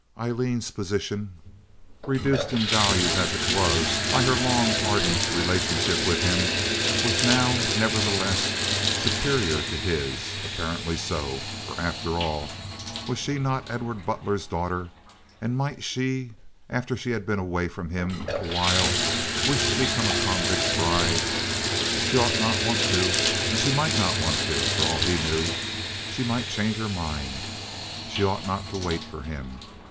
Aileen's position, reduced in value as it was by her long, ardent relationship with him, was now, nevertheless, superior to his—apparently so. For after all, was she not Edward Butler's daughter, and might she, after she had been away from him a while, wish to become a convict's bride. She ought not to want to, and she might not want to, for all he knew; she might change her mind. She ought not to wait for him.